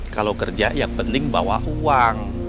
kalau kerja yang penting bawa uang